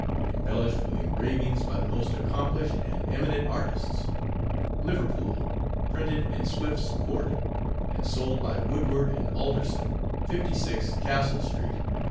Embellished With Engravings By the Most Accomplished and Eminent Artists. Liverpool: Printed in Swift's Court, And sold by Woodward and Alderson, 56 Castle St. 1803.